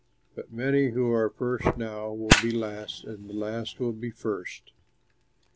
But many who are first now will be last, and the last will be first."